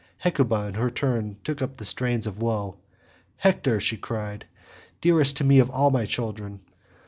Hecuba in her turn took up the strains of woe. "Hector," she cried, "dearest to me of all my children.